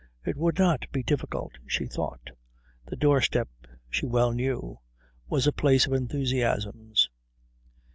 It would not be difficult, she thought. The doorstep, she well knew, was a place of enthusiasms.